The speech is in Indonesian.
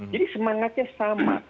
jadi semangatnya sama